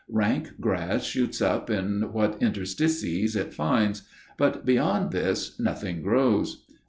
Rank grass shoots up in what interstices it finds; but beyond this nothing grows.